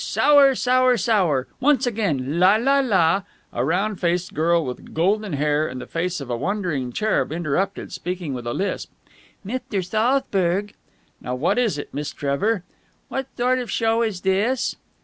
Sour! Sour! Sour!... Once again. La la la...." A round faced girl with golden hair and the face of a wondering cherub interrupted, speaking with a lisp. "Mithter Thalzburg." "Now what is it, Miss Trevor?" "What sort of a show is this?"